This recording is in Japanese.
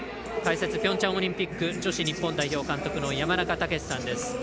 解説ピョンチャンオリンピック女子日本代表監督の山中武司さんです。